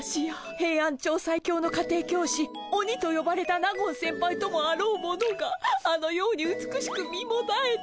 ヘイアンチョウ最強の家庭教師オニとよばれた納言先輩ともあろうものがあのように美しく身もだえて。